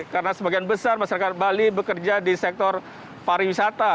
karena sebagian besar masyarakat bali bekerja di sektor pariwisata